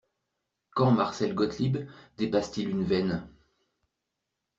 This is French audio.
Quand Marcel Gotilb dépasse-t-il une veine?